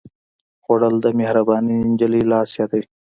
خوړل د مهربانې نجلۍ لاس یادوي